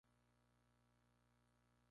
Pertenece a la Parroquia Carmen Herrera.